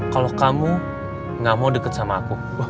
kalau kamu gak mau deket sama aku